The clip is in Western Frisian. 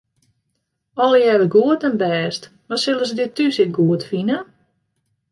Allegearre goed en bêst, mar sille se dit thús ek goed fine?